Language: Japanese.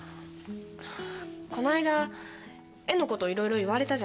この間絵のこといろいろ言われたじゃない？